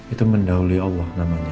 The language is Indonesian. itu mendauli allah namanya ya